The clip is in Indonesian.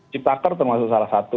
ciptaker termasuk salah satu